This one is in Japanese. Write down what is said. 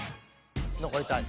残りたい。